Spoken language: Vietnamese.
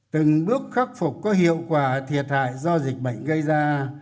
từng bước khắc phục có hiệu quả thiệt hại do dịch bệnh gây ra